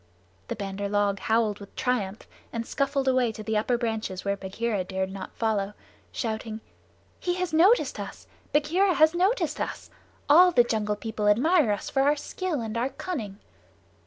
The Bandar log howled with triumph and scuffled away to the upper branches where Bagheera dared not follow, shouting: "He has noticed us! Bagheera has noticed us. All the Jungle People admire us for our skill and our cunning."